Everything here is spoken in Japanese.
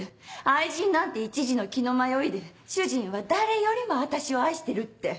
愛人なんて一時の気の迷いで主人は誰よりも私を愛してるって。